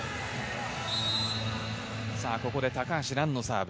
ここで高橋藍のサーブ。